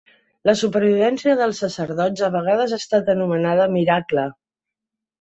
La supervivència dels sacerdots a vegades ha estat anomenada miracle.